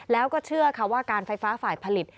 แล้วก็เชื่อค่ะว่าการไฟฟ้าฝ่ายผลิต